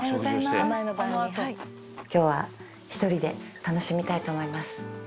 「あのあと」今日は１人で楽しみたいと思います